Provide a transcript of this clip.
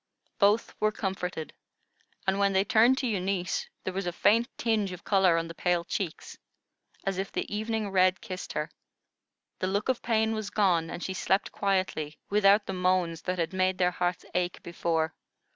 Both were comforted, and when they turned to Eunice there was a faint tinge of color on the pale cheeks, as if the evening red kissed her; the look of pain was gone, and she slept quietly, without the moans that had made their hearts ache before.